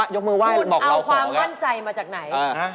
ยกมือไหว้บอกเราของแล้วคุณเอาความมั่นใจมาจากไหน